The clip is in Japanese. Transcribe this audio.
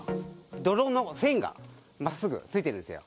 泥の線がまっすぐついてるんですよ。